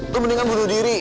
lu mendingan bunuh diri